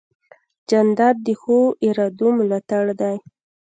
جانداد د ښو ارادو ملاتړ دی.